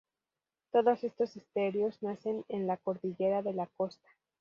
Todos estos esteros nacen en la Cordillera de la Costa.